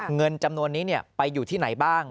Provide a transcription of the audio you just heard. เงินจำนวนนี้ไปอยู่ที่ไหนบ้าง